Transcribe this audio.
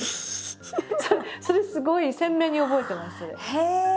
それすごい鮮明に覚えてますそれ。